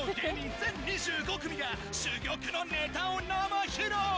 全２５組が、珠玉のネタを生披露。